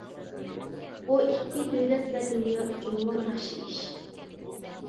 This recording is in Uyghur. بۇ ئىككى دۆلەت ۋە دۇنيا ئۈچۈنمۇ ياخشى ئىش.